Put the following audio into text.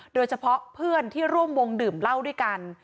โดยเฉพาะเพื่อนที่ร่วมวงดื่มเหล้าด้วยกัน